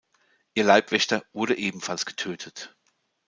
Ihr Leibwächter wurde ebenfalls getötet.